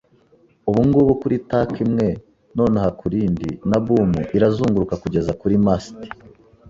ubungubu kuri tack imwe, nonaha kurindi, na boom irazunguruka kugeza kuri mast